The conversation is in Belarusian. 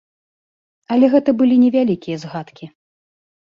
Але гэта былі невялікія згадкі.